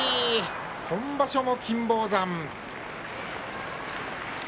今場所も金峰山。